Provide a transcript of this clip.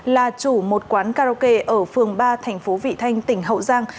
là chủ một quán karaoke ở phường ba thành phố vị thanh tỉnh hậu giang